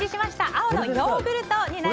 青のヨーグルトです。